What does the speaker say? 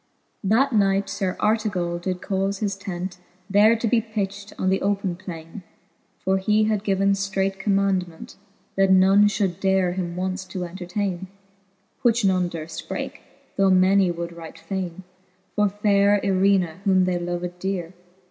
X. That knight Sir Artegall did caufe his tent There to be pitched on the open plainc ; For he had given ftreight commaundment. That none fhould dare him once to entertaine : Which none durft breake, though many would right faine For fay re Irena^ whom they loved deare.